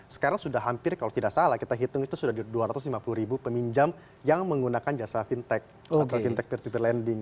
sekarang sudah hampir kalau tidak salah kita hitung itu sudah dua ratus lima puluh ribu peminjam yang menggunakan jasa fintech atau fintech peer to peer lending